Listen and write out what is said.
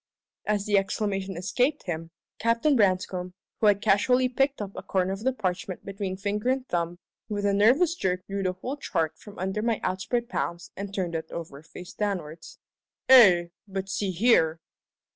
As the exclamation escaped him, Captain Branscome, who had casually picked up a corner of the parchment between finger and thumb, with a nervous jerk drew the whole chart from under my outspread palms and turned it over face downwards. "Eh? But see here!"